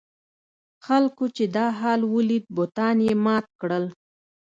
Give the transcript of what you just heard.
خلکو چې دا حال ولید بتان یې مات کړل.